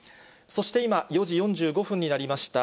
そして今、４時４５分になりました。